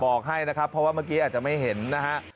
บอกให้นะครับเพราะว่าเมื่อกี้อาจจะไม่เห็นนะฮะ